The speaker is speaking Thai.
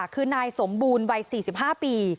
คือนายสมบูรณ์วัย๔๕ปี